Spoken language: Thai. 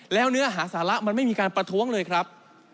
แล้วเนื้อหาสาระมันไม่มีการประท้วงเลยครับ